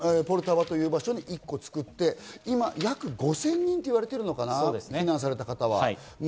ポルタバという場所に１個作って、約５０００人といわれているのかな、避難された方が。